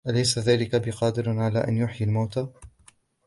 أليس ذلك بقادر على أن يحيي الموتى